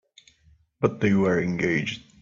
But they were engaged.